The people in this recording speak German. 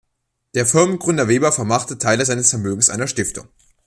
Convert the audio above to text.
Der Firmengründer Weber vermachte Teile seines Vermögens einer Stiftung.